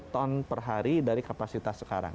ton per hari dari kapasitas sekarang